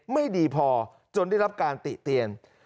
ไม่ดีพอจนได้รับการติเตียน